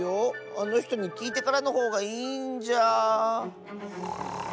あのひとにきいてからのほうがいいんじゃ。